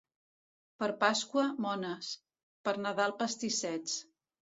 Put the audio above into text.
Per Pasqua, mones; per Nadal, pastissets.